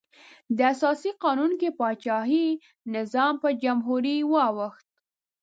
د اساسي قانون کې پاچاهي نظام په جمهوري واوښت.